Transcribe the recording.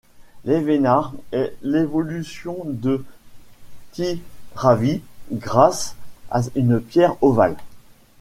Leveinard est l'évolution de Ptiravi grâce à une pierre ovale.